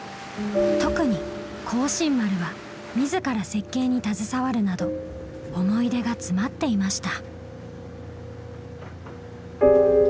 特に光進丸はみずから設計に携わるなど思い出が詰まっていました。